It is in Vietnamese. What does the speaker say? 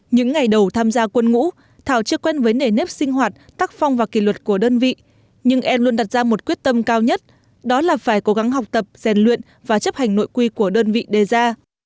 những ngày đầu tham gia quân ngũ thảo chưa quen với nề nếp sinh hoạt tắc phong và kỳ luật của đơn vị nhưng em luôn đặt ra một quyết tâm cao nhất đó là phải cố gắng học tập rèn luyện và chấp hành nội quy của đơn vị đề ra